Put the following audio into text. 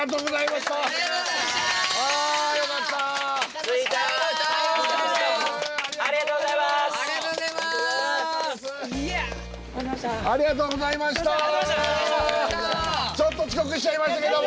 ちょっと遅刻しちゃいましたけども。